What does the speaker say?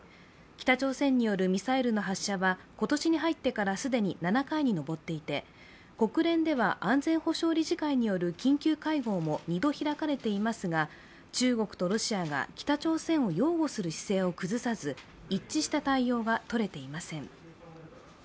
北朝鮮によるミサイルの発射は今年に入ってからすでに７回に上っていて国連では安全保障理事会による緊急会合も２度開かれていますが、中国とロシアは北朝鮮を擁護する姿勢を崩さず一致した対応がとれていません。